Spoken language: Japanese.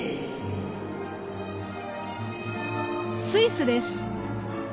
スイスです。